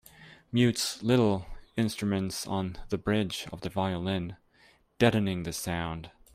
Mutes little instruments on the bridge of the violin, deadening the sound.